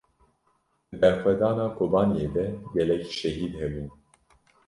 Di berxwedana Kobaniyê de gelek şehîd hebûn.